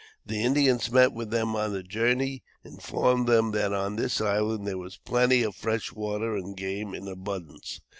The Indians met with on the journey, informed them that on this island there was plenty of fresh water, and game in abundance.